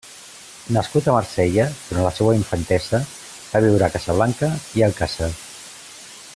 Nascut a Marsella, durant la seua infantesa va viure a Casablanca i Alcàsser.